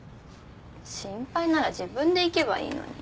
心配なら自分で行けばいいのに。